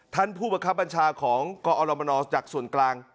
ท่านผู้บังคับบัญชาของกอรมนจากส่วนกลาง